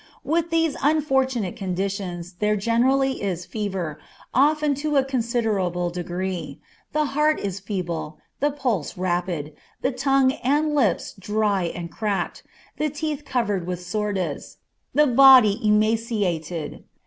With these unfortunate conditions there generally is fever, often to a considerable degree, the heart is feeble, the pulse rapid, the tongue and lips dry and cracked, the teeth covered with sordes, and the body emaciated.